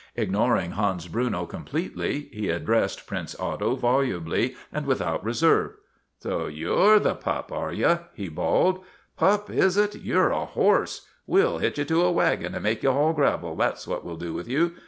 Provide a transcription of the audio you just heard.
Ignoring Hans Bruno completely he addressed Prince Otto volubly and without reserve. ' So you 're the pup, are you ?' he bawled. " Pup, is it? You 're a horse. We '11 hitch you to a wagon and make you haul gravel, that 's what we '11 do with you.